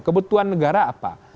kebutuhan negara apa